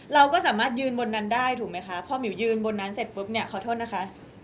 เราก็สามารถยืนบนนั้นได้ถูกไหมคะพอหมิวยืนบนนั้นเสร็จปุ๊บเนี่ยขอโทษนะคะ